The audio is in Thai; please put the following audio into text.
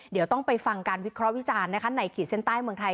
เดี๋ยวต้องไปฟังการวิเคราะห์วิจารณ์นะคะในขีดเส้นใต้เมืองไทย